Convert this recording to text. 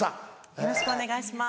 よろしくお願いします。